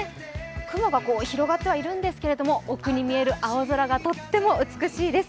雲が広がってはいるんですけど沖に見える青空がとっても美しいです。